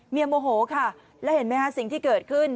โมโหค่ะแล้วเห็นไหมฮะสิ่งที่เกิดขึ้น